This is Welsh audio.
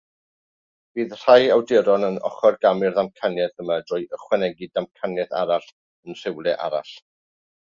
Bydd rhai awduron yn ochrgamu'r ddamcaniaeth yma drwy ychwanegu damcaniaeth arall yn rhywle arall.